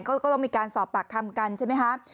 ก็ต้องมีการสอบปากคำกันใช่ไหมคะ